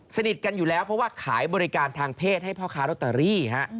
สนิทกันอยู่แล้วเพราะว่าขายบริการทางเพศให้พ่อค้ารอตเตอรี่ฮะ